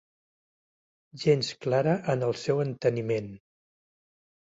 Gens clara en el seu enteniment.